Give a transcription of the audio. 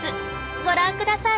ご覧ください！